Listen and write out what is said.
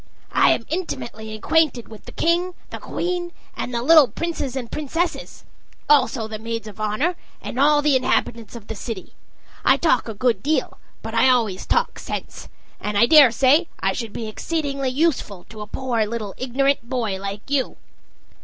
I am intimately acquainted with the king, the queen, and the little princes and princesses also the maids of honor, and all the inhabitants of the city. I talk a good deal, but I always talk sense, and I daresay I should be exceedingly useful to a poor little ignorant boy like you."